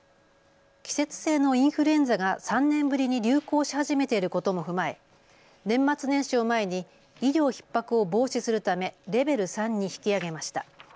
季節性のインフルエンザが３年ぶりに流行し始めていることも踏まえ年末年始を前に医療ひっ迫を防止するためレベル３に引き上げました。